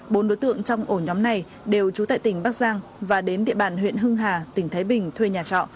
bốn đối tượng trong ổ nhóm này đều trú tại tỉnh bắc giang và đến địa bàn huyện hưng hà tỉnh thái bình thuê nhà trọ